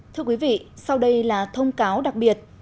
thưa quý vị sau đây là thông cáo đặc biệt